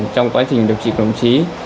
trong quá trình điều trị của đồng chí